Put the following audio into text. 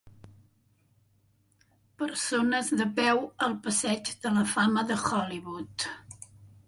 Persones de peu al passeig de la fama de Hollywood.